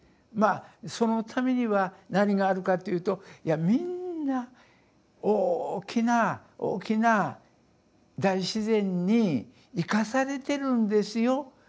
まあそのためには何があるかというとみんな大きな大きな大自然に生かされてるんですよ。